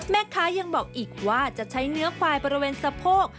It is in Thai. แม่ค้ายังบอกอีกว่าจะใช้เนื้อควายบริเวณสะโพก